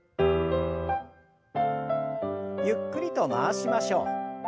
ゆっくりと回しましょう。